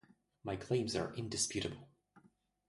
My claims are indisputable.